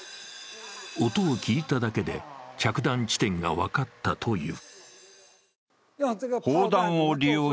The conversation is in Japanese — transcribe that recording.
音を聞いただけで着弾地点が分かったという。